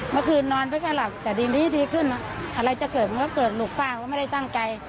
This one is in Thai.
มันเป็นไม่ได้ที่จะไม่สามารถอ่ะ